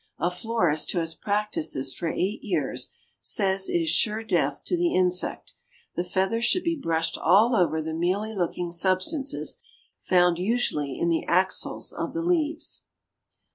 A florist who has practiced this for eight years, says it is sure death to the insect. The feather should be brushed all over the mealy looking substances found usually in the axils of the leaves.